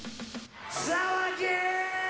騒げ！